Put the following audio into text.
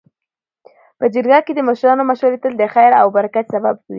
. په جرګه کي د مشرانو مشورې تل د خیر او برکت سبب وي.